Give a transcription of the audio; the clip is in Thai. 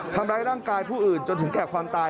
ทำร้ายร่างกายผู้อื่นจนถึงแก่ความตาย